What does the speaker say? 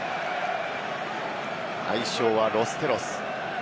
愛称はロス・テロス。